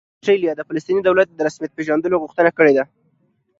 استرالیا د فلسطیني دولت د رسمیت پېژندلو غوښتنه کړې ده